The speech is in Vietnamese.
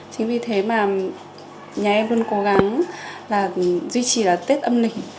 chính vì thế mà nhà em luôn cố gắng là duy trì là tết âm lịch